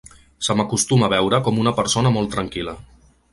Se m’acostuma a veure com una persona molt tranquil·la.